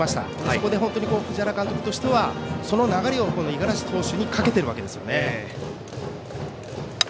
そこで本当に藤原監督としてはその流れを五十嵐投手にかけているわけですよね。